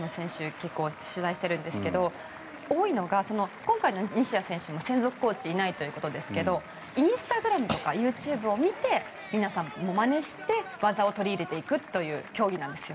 結構、取材しているんですけど多いのが今回の西矢選手も専属コーチがいないということですけどインスタグラムとかＹｏｕＴｕｂｅを見て皆さん、まねして技を取り入れていくという競技なんです。